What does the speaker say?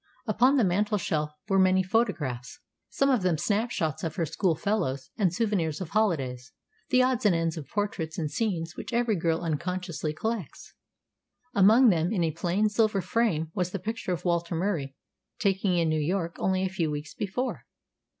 Upon the mantelshelf were many photographs, some of them snap shots of her schoolfellows and souvenirs of holidays, the odds and ends of portraits and scenes which every girl unconsciously collects. Among them, in a plain silver frame, was the picture of Walter Murie taken in New York only a few weeks before.